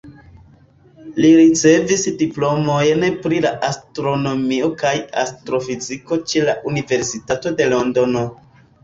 Li ricevis diplomojn pri astronomio kaj astrofiziko ĉe la Universitato de Londono.